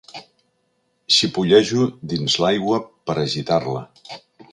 Xipollejo dins l'aigua per agitar-la.